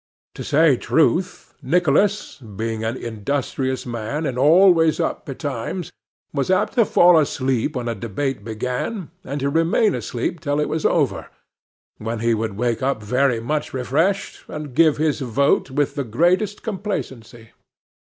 To say truth, Nicholas, being an industrious man, and always up betimes, was apt to fall asleep when a debate began, and to remain asleep till it was over, when he would wake up very much refreshed, and give his vote with the greatest complacency.